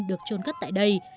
được trôn cất tại đây